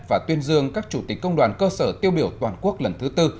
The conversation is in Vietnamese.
và tuyên dương các chủ tịch công đoàn cơ sở tiêu biểu toàn quốc lần thứ tư